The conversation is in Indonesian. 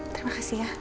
terima kasih ya